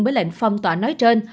với lệnh phong tỏa nói trên